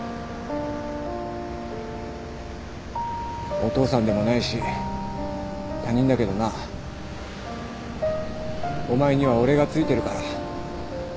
お父さんでもないし他人だけどなお前には俺がついてるから。